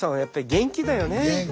元気だね。